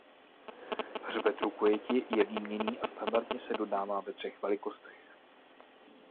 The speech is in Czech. Hřbet rukojeti je výměnný a standardně se dodává ve třech velikostech.